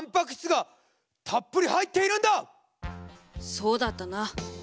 そうだったな。